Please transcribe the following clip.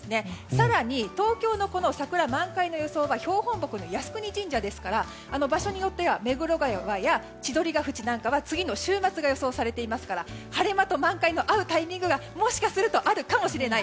更に東京の満開の桜は標本木の靖国神社ですから場所によっては目黒川や千鳥ケ淵なんかは次の週末が予想されていますから晴れ間と満開の合うタイミングがもしかするとあるかもしれない。